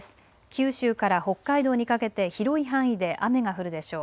九州から北海道にかけて広い範囲で雨が降るでしょう。